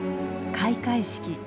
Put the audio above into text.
開会式。